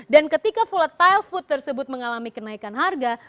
dan ketika full of tile food tersebut mengalami kenaikan harga